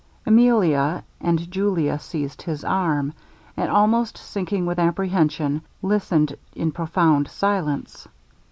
Emilia and Julia seized his arm; and almost sinking with apprehension, listened in profound silence.